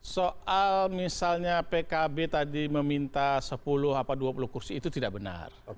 soal misalnya pkb tadi meminta sepuluh dua puluh kursi itu tidak benar